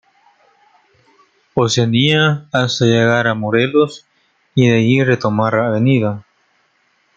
Oceanía hasta llegar a Morelos y de ahí retomar Av.